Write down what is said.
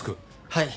はい。